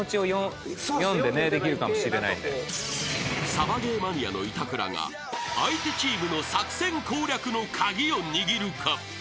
［サバゲーマニアの板倉が相手チームの作戦攻略の鍵を握るか？］